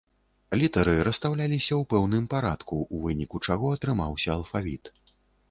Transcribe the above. Літары расстаўляліся ў пэўным парадку, у выніку чаго атрымаўся алфавіт.